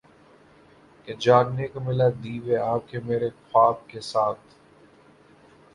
کہ جاگنے کو ملا دیوے آکے میرے خواب کیساتھ